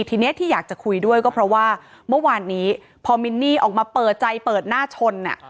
ทีนี้ที่อยากจะคุยด้วยก็เพราะว่าเมื่อวานนี้พอมินนี่ออกมาเปิดใจเปิดหน้าชน